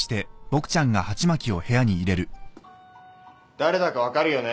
誰だか分かるよね？